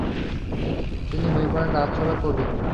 তিনি হয়ে পড়েন রাজসভার কবি।